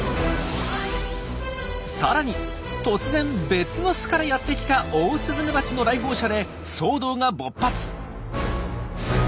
さらに突然別の巣からやって来たオオスズメバチの来訪者で騒動が勃発。